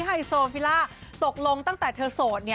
ไฮโซฟิล่าตกลงตั้งแต่เธอโสด